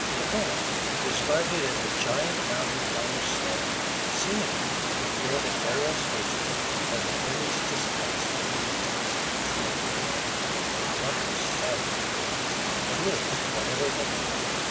Tacoma, described it as "a giant mountain dome of snow, seeming to fill the aerial spaces as the image displaced the blue deeps of tranquil water." A wondrous sight it was and is, whatever the name.